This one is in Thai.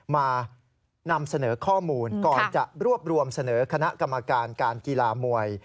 มานำเสนอข้อมูลก่อนจะรวบรวมเสนอคณะกรรมการการกีฬามวย